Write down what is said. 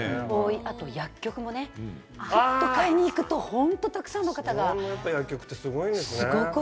あと薬局もね、ちょっと買いに行くと本当たくさんの方がすごく多い。